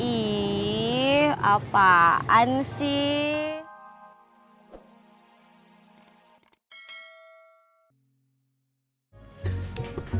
ih apaan sih